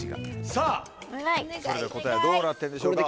さぁそれでは答えはどうなってるんでしょうか？